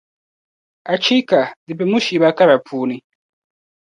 Achiika! Di be mushiiba kara puuni.